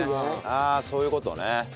ああそういう事ね。